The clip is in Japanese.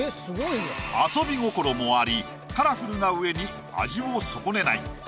遊び心もありカラフルなうえに味を損ねない。